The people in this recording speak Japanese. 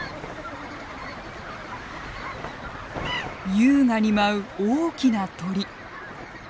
優雅に舞う大きな鳥。